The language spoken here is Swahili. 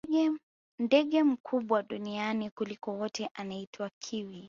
ndege mkubwa duniani kuliko wote anaitwa kiwi